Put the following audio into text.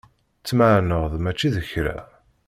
Tmeεneḍ mačči d kra.